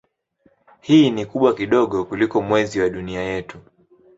Hii ni kubwa kidogo kuliko Mwezi wa Dunia yetu.